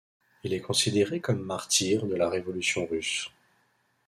Il est considéré comme martyr de la Révolution russe.